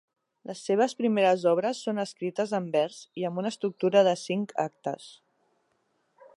Les seves primeres obres són escrites en vers i amb una estructura de cinc actes.